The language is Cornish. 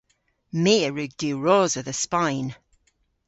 My a wrug diwrosa dhe Spayn.